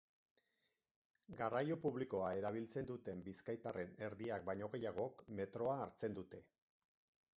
Garraio publikoa erabiltzen duten bizkaitarren erdiak baino gehiagok metroa hartzen dute.